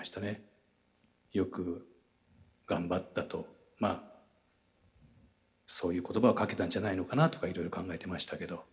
よく頑張ったとまあそういう言葉をかけたんじゃないのかなとかいろいろ考えてましたけど。